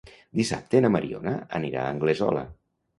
Dissabte na Mariona anirà a Anglesola.